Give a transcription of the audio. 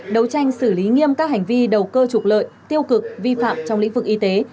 đấu tranh xử lý nghiêm các hành vi đầu cơ trục lợi tiêu cực vi phạm trong lĩnh vực y tế